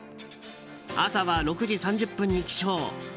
朝は６時３０分に起床。